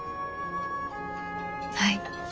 はい。